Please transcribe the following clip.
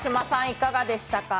いかがでしたか？